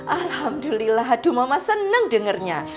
alhamdulillah aduh mama seneng dengernya